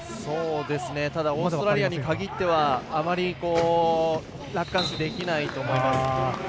ただオーストラリアに限ってはあまり楽観しできないと思います。